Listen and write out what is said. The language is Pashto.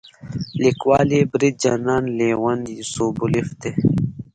لیکوال یې برید جنرال لیونید سوبولیف دی.